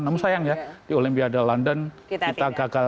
namun sayang ya di olimpiade london kita gagal